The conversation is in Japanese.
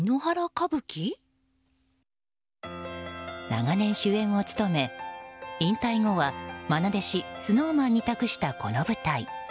長年、主演を務め引退後は愛弟子のＳｎｏｗＭａｎに託したこの舞台。